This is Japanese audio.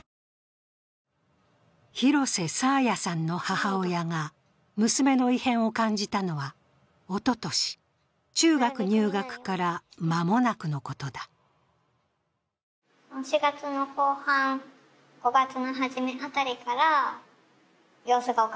廣瀬爽彩さんの母親が娘の異変を感じたのは、おととし、中学入学から間もなくのことだった。